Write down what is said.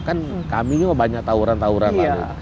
kan kami banyak tauran tauran lalu